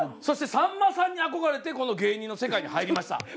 そしてさんまさんに憧れてこの芸人の世界に入りました。